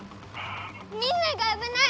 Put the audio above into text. みんながあぶない！